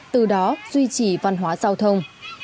từ đó duy trì văn hóa giao thông